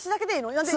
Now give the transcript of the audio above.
何で？